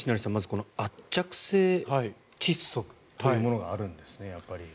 この圧着性窒息というものがあるんですね。